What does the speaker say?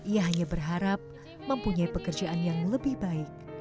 ia hanya berharap mempunyai pekerjaan yang lebih baik